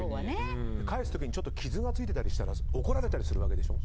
返す時にちょっと傷がついてたりしたら怒られるわけでしょ。